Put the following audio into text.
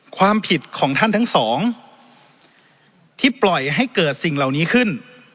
ความผิดของท่านทั้งสองที่ปล่อยให้เกิดสิ่งเหล่านี้ขึ้น